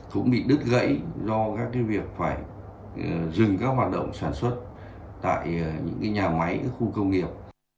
cũng bị đứt gãy do các việc phải dừng các hoạt động sản xuất tại những nhà máy các khu công nghiệp